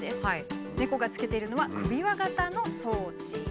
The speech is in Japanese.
猫がつけているのは首輪型の装置。